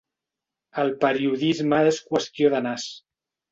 El periodisme és qüestió de nas.